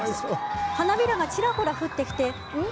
花びらがちらほら降ってきてん？